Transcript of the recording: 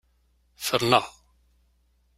Fren-aɣ!